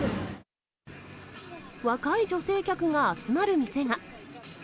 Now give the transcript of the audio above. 若い女性客が集まる店が。